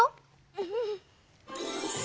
うん！